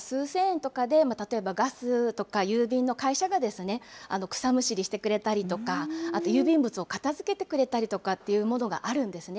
５００円から数千円とかで、例えばガスとか郵便の会社が草むしりしてくれたりとか、あと郵便物を片づけてくれたりとかっていうものがあるんですね。